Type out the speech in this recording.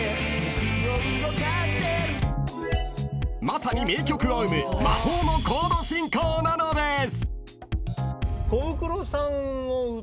［まさに名曲を生む魔法のコード進行なのです］